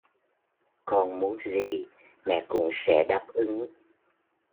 Con muốn gì mẹ cũng sẽ đáp ứng